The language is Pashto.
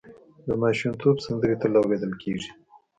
د ماشومتوب سندرې تل اورېدل کېږي.